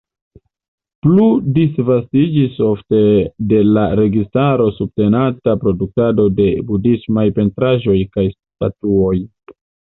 Plu disvastiĝis ofte de la registaro subtenata produktado de budhismaj pentraĵoj kaj statuoj.